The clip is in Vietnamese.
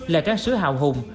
là trang sứ hào hùng